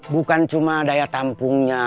bukan cuma daya tampungnya